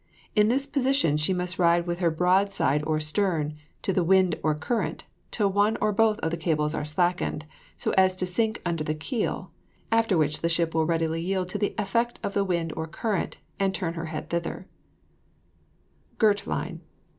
In this position she must ride with her broadside or stern to the wind or current, till one or both of the cables are slackened, so as to sink under the keel; after which the ship will readily yield to the effort of the wind or current, and turn her head thither. (See RIDE.) GIRT LINE.